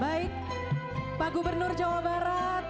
baik pak gubernur jawa barat